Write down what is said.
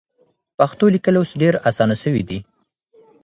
پښتو لیکل اوس ډېر اسانه سوي دي.